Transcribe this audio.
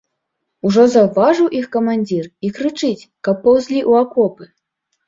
Ужо заўважыў іх камандзір і крычыць, каб паўзлі ў акопы.